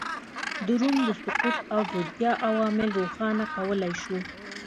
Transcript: د روم د سقوط او ځوړتیا عوامل روښانه کولای شو